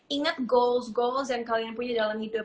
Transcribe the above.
ingat tujuan tujuan yang kalian punya dalam hidup